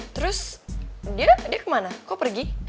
terus dia ke mana kok pergi